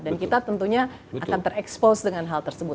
dan kita tentunya akan terexpose dengan hal tersebut